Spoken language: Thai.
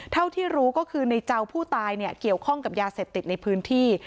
เท่าที่รู้ก็คือในเจ้าผู้ตายเนี่ยเกี่ยวข้องกับยาเสพติดในพื้นที่